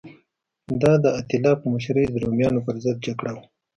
دا د اتیلا په مشرۍ د رومیانو پرضد جګړه وه